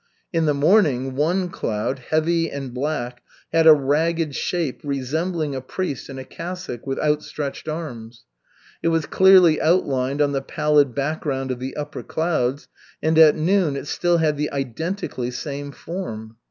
In the morning, one cloud, heavy and black, had a ragged shape resembling a priest in a cassock with outstretched arms. It was clearly outlined on the pallid background of the upper clouds, and at noon it still had the identically same form.